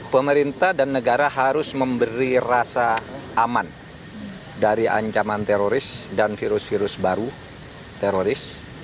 pemerintah dan negara harus memberi rasa aman dari ancaman teroris dan virus virus baru teroris